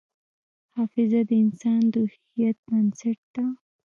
حافظه د انسان د هویت بنسټ ده.